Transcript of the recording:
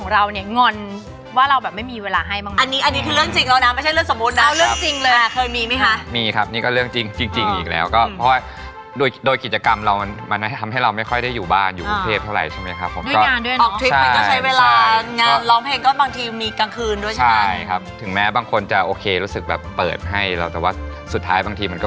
แต่ส่วนใหญ่แล้วก็จะมีเรื่องจริงแปลงอยู่ด้วยนะ